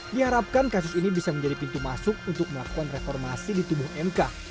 diharapkan kasus ini bisa menjadi pintu masuk untuk melakukan reformasi di tubuh mk